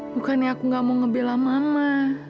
bukannya aku gak mau ngebela mama